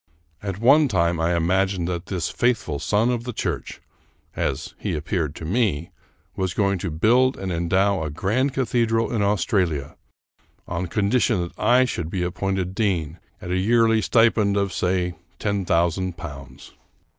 At one time I imagined that this faithful son of the church — as he ap peared to me — was going to build and endow a grand cathedral in Australia on condition that I should be ap pointed dean at a yearly stipend of, say, ten thousand pounds.